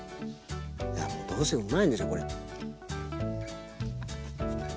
いやもうどうせうまいんでしょこれ。